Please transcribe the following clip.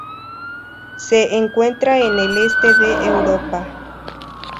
Se encuentra en el este de Europa.